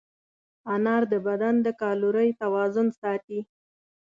انار د بدن د کالورۍ توازن ساتي.